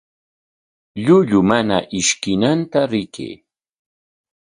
Llullu mana ishkinanta rikay.